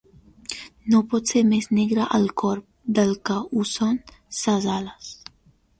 No pot ser més negre el corb del que ho són ses ales.